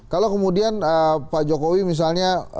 kalau kemudian pak jokowi misalnya